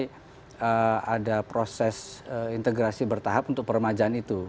tapi ada proses integrasi bertahap untuk peremajaan itu